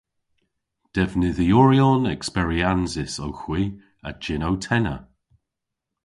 Devnydhyoryon eksperyansys owgh hwi a jynnow-tenna.